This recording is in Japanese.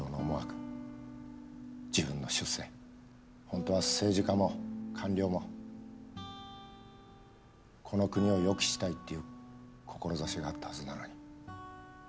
本当は政治家も官僚もこの国をよくしたいっていう志があったはずなのに。